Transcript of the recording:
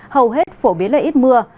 hầu hết phổ biến là ít mưa